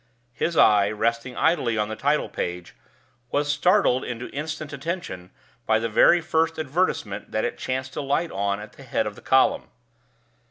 His eye, resting idly on the title page, was startled into instant attention by the very first advertisement that it chanced to light on at the head of the column.